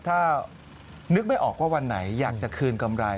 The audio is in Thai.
ถ้านึกไม่ออกว่าวันไหนอยากจะคืนกำไร